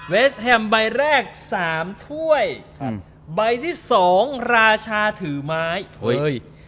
สแฮมใบแรกสามถ้วยครับใบที่สองราชาถือไม้เฮ้ย